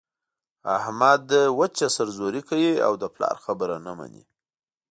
احمد وچه سر زوري کوي او د پلار خبره نه مني.